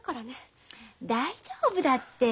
大丈夫だって。